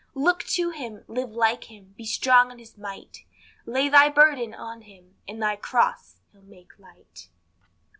Look to him, live like him, be strong in his might, Lay thy burden on him, and thy cross he'll make light.